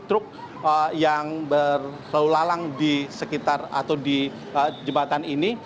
truk yang berlalu lalang di sekitar atau di jembatan ini